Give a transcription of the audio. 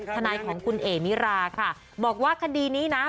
ทนายของคุณเอ๋มิราค่ะบอกว่าคดีนี้นะ